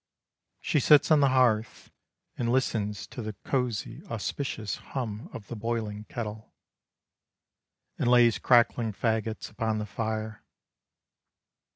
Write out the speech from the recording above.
She sits on the hearth, And listens to the cosy auspicious hum Of the boiling kettle, And lays crackling fagots upon the fire.